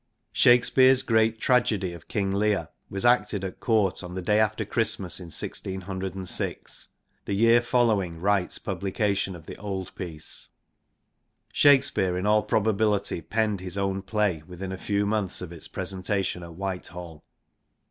Shakespeare's great Jragedy of King Lear was acted at court on the day after Christmas in 1606 the year following Wright's publication of the old piece. Shakespeare in all probability penned his own play within a few months of its presentation at Whitehall.